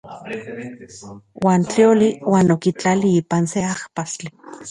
Uan tlioli uan okitlali ipan se ajpastli.